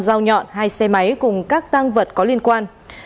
dao nhọn hai xe máy cùng các tăng vật có liên quan